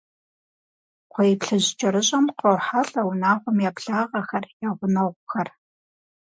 КхъуейплъыжькӀэрыщӀэм кърохьэлӀэ унагъуэм я благъэхэр, я гъунэгъухэр.